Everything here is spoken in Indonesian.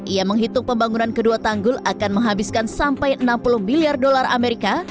ia menghitung pembangunan kedua tanggul akan menghabiskan sampai enam puluh biliar dolar amerika